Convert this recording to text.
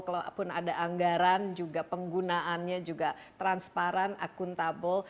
kalaupun ada anggaran juga penggunaannya juga transparan akuntabel